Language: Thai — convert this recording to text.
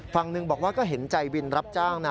ฝั่งหนึ่งบอกว่าก็เห็นใจวินรับจ้างนะ